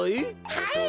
はい。